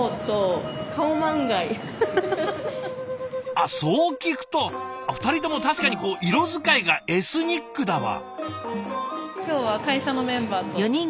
あっそう聞くと２人とも確かにこう色使いがエスニックだわ。